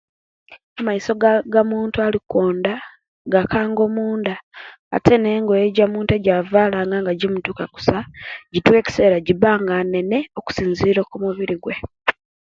Amaiso gaa gamuntu alikwonda gakanga omunda ate n'engoye omuntu egibaile nga abavala nga gimutuka kusa gituka ekisera gibanga inene okusinzirira okumubire gwe